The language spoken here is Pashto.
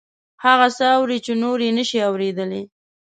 هغه څه اوري چې نور یې نشي اوریدلی